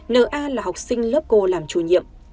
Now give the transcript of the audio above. nna là học sinh lớp cô làm chủ nhiệm